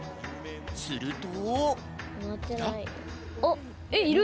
すると。